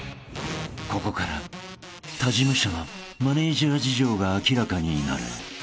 ここから他事務所のマネジャー事情が明らかになる］